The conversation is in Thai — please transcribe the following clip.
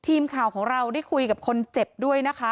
ทีมข่าวของเราได้คุยกับคนเจ็บด้วยนะคะ